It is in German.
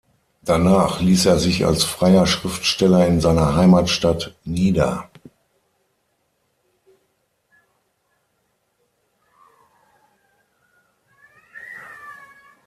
Danach ließ er sich als freier Schriftsteller in seiner Heimatstadt nieder.